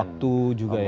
waktu juga ya